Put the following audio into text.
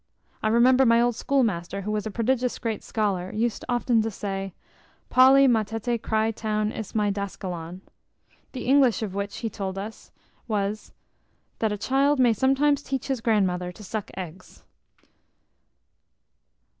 I remember my old schoolmaster, who was a prodigious great scholar, used often to say, Polly matete cry town is my daskalon. The English of which, he told us, was, That a child may sometimes teach his grandmother to suck eggs.